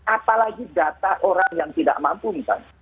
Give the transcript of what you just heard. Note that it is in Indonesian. apalagi data orang yang tidak mampu misalnya